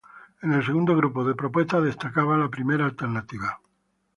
En el segundo grupo de propuestas destacaba la primera alternativa.